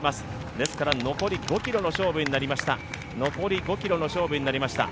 ですから、残り５ｋｍの勝負になりました。